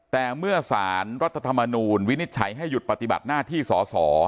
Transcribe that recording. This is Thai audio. แต่เมื่อสารรัฐธรรมนูลวินิจฉัยให้หยุดปฏิบัติหน้าที่สอสอ